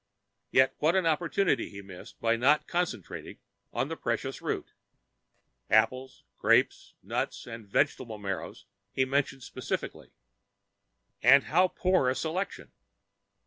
Yet what an opportunity he missed by not concentrating on that precious root. Apples, grapes, nuts, and vegetable marrows he mentions specially and how poor a selection!